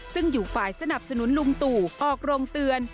ซึ่งอยู่ฝ่ายสนับสนุนลุงตู่ออกโรงเตือน